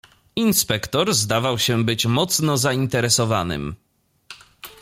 "Inspektor zdawał się być mocno zainteresowanym."